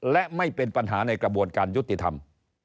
และไม่เป็นปัญหาในกระบวนการยุติธรรม